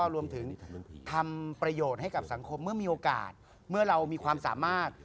รวมถึงทำประโยชน์ให้กับสังคมเมื่อมีโอกาสเมื่อเรามีความสามารถ